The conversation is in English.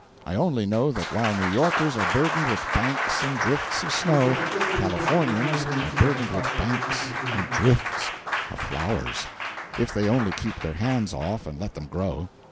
I only know that while New Yorkers are burdened with banks and drifts of snow, Californians are burdened with banks and drifts of flowers, if they only keep their hands off and let them grow.